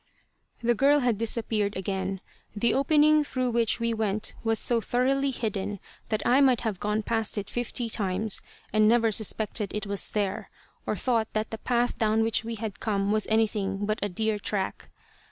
The girl had disappeared again. The opening through which we went was so thoroughly hidden that I might have gone past it fifty times and never suspected it was there, or thought that the path down which we had come was anything but a deer track.